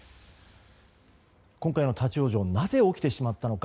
今回の立ち往生なぜ起きてしまったのか。